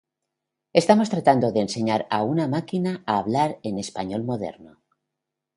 estamos tratando de enseñar a una máquina a hablar en español moderno